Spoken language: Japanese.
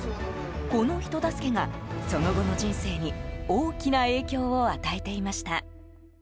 この人助けが、その後の人生に大きな影響を与えていました。